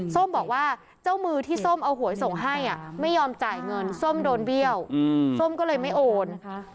ส้มบอกว่าเจ้ามือที่ส้มเอาหวยส่งให้ไม่ยอมจ่ายเงินส้มโดนเบี้ยวส้มก็เลยไม่โอน